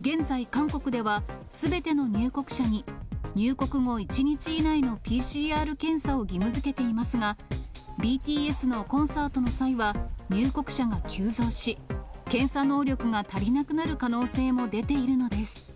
現在、韓国ではすべての入国者に、入国後１日以内のＰＣＲ検査を義務づけていますが、ＢＴＳのコンサートの際は、入国者が急増し、検査能力が足りなくなる可能性も出ているのです。